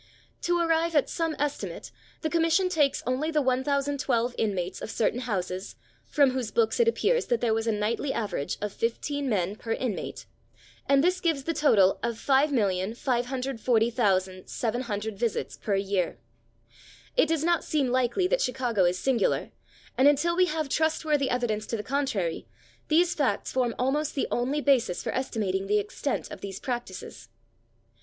To arrive at some estimate, the commission takes only the 1012 inmates of certain houses, from whose books it appeared that there was a nightly average of fifteen men per inmate, and this gives the total of 5,540,700 visits per year. It does not seem likely that Chicago is singular, and until we have trustworthy evidence to the contrary, these facts form almost the only basis for estimating the extent of these practices.